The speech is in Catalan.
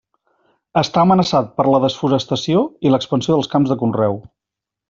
Està amenaçat per la desforestació i l'expansió dels camps de conreu.